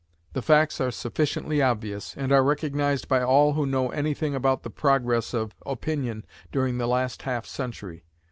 The facts are sufficiently obvious, and are recognized by all who know any thing about the progress of opinion during the last half century.